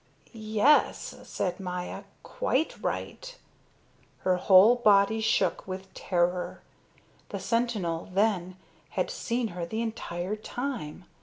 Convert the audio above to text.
"Yes," said Maya, "quite right." Her whole body shook with terror. The sentinel, then, had seen her the entire time.